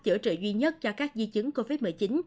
chữa trị duy nhất cho các di chứng covid một mươi chín